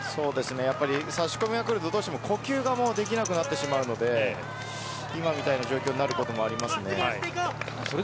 差し込みが来ると呼吸ができなくなってしまうので今のような状況になることがあります。